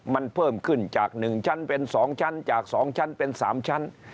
มันเพิ่มขึ้นจาก๑ชั้นเป็น๒ชั้นจาก๒ชั้นเป็น๓ชั้น